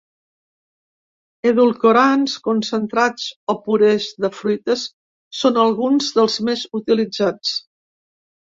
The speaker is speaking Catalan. Edulcorants, concentrats o purés de fruites són alguns dels més utilitzats.